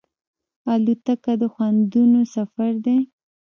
الوتکه د خوندونو سفر دی.